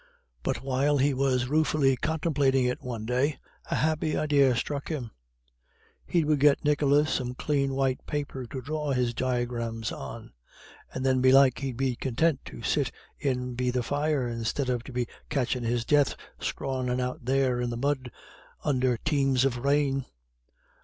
But while he was ruefully contemplating it one day, a happy idea struck him. He would get Nicholas some clean white paper to draw his dygrims on. "And then belike he'd be contint to sit in be the fire, instead of to be catchin' his death scrawmin' out there in the mud under teems of rain."